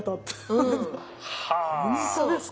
本当ですか？